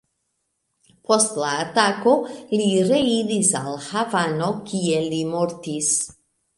Post la atako, li reiris al Havano, kie li mortis.